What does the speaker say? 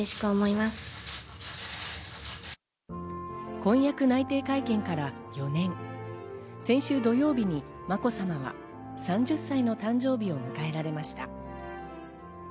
婚約内定会見から４年、先週土曜日にまこさまは３０歳の誕生日を迎えられました。